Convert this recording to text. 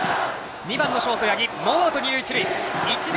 ２番のショート、八木ノーアウト、一塁、二塁。